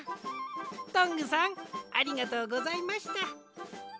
トングさんありがとうございました。